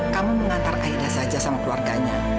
kamu mengantar aida saja sama keluarganya